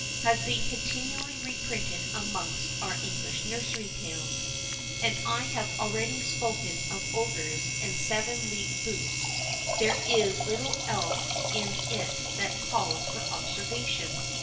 has been continually reprinted amongst our English nursery tales; and as I have already spoken of ogres and seven leagued boots, there is little else in it that calls for observation.